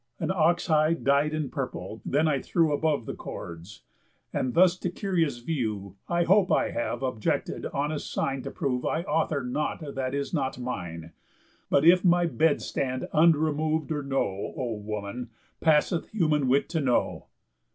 An ox hide dyed in purple then I threw Above the cords. And thus to curious view I hope I have objected honest sign To prove I author nought that is not mine. But if my bed stand unremov'd or no, O woman, passeth human wit to know."